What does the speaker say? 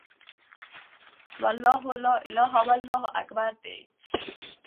وَلَا إِلَهَ إلَّا اللهُ، وَاللهُ أكْبَرُ دي .